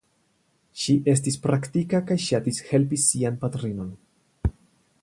Ŝi estis praktika kaj ŝatis helpi sian patrinon.